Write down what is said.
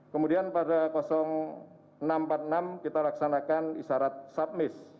kemudian pada jam enam empat puluh enam kita laksanakan isarat sub miss